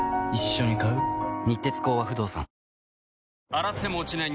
洗っても落ちない